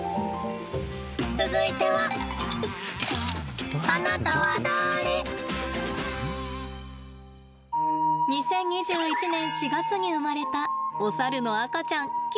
続いては２０２１年４月に生まれたお猿の赤ちゃん、キキです。